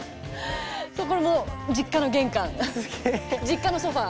そうこれも実家の玄関実家のソファー。